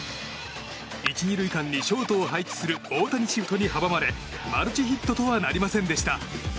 １、２塁間にショートを配置する大谷シフトに阻まれマルチヒットとはなりませんでした。